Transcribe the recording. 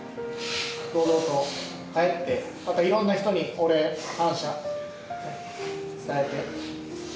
堂々と帰って、またいろんな人にお礼・感謝を伝えて。